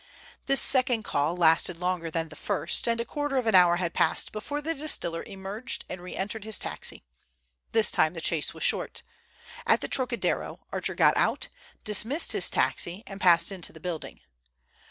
This second call lasted longer than the first, and a quarter of an hour had passed before the distiller emerged and reentered his taxi. This time the chase was short. At the Trocadero Archer got out, dismissed his taxi, and passed into the building.